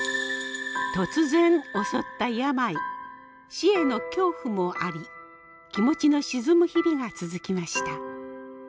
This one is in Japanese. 死への恐怖もあり気持ちの沈む日々が続きました。